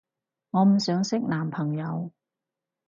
我唔想識男朋友